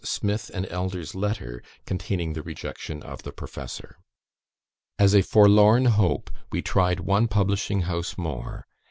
Smith and Elder's letter containing the rejection of "The Professor". "As a forlorn hope, we tried one publishing house more.